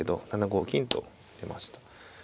７五金と出ました。